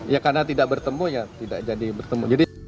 ya karena tidak bertemu ya tidak jadi bertemu